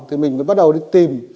thì mình mới bắt đầu đi tìm